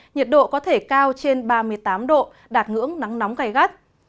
nhiệt độ có thể cao trên ba mươi tám độ đạt ngưỡng nắng nóng gai gắt